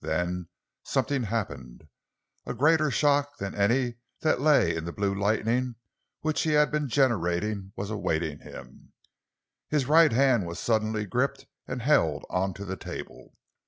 Then something happened. A greater shock than any that lay in the blue lightning which he had been generating was awaiting him. His right hand was suddenly gripped and held on to the table.